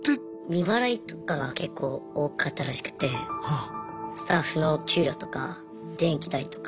未払いとかが結構多かったらしくてスタッフの給料とか電気代とか。